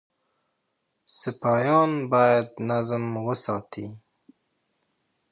سپایان باید نظم وساتي.